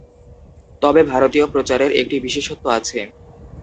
তবে ভারতীয় প্রচারের একটি বিশেষত্ব আছে।